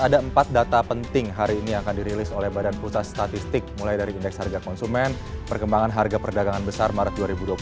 ada empat data penting hari ini yang akan dirilis oleh badan pusat statistik mulai dari indeks harga konsumen perkembangan harga perdagangan besar maret dua ribu dua puluh satu